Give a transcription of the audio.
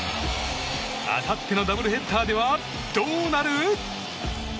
あさってのダブルヘッダーではどうなる？